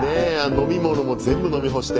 飲み物も全部飲み干して。